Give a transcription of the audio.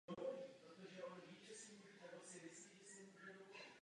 V úvodním kole ji vyřadila druhá nasazená Rumunka Simona Halepová po třísetovém průběhu.